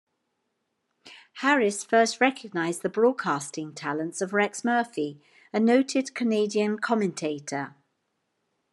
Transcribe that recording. Harris first recognized the broadcasting talents of Rex Murphy, a noted Canadian commentator.